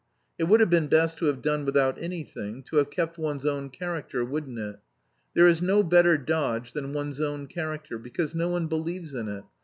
It would have been best to have done without anything, to have kept one's own character, wouldn't it? There is no better dodge than one's own character, because no one believes in it.